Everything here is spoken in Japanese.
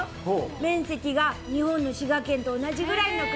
面積が日本の滋賀県と同じぐらいの国。